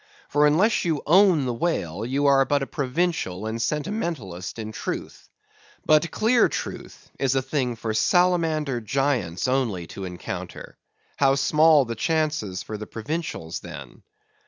For unless you own the whale, you are but a provincial and sentimentalist in Truth. But clear Truth is a thing for salamander giants only to encounter; how small the chances for the provincials then?